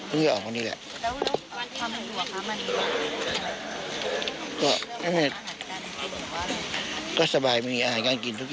ที่เราต้องออกไปเนี่ยเพราะว่าเรารู้สึกไม่มั่นใจในความปลอดภัยของสถานการณ์ตรงนี้